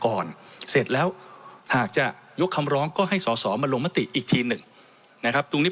ก่อนเสร็จแล้วหากจะยกคำร้องก็ให้สอสอมาลงมติอีกทีหนึ่งนะครับตรงนี้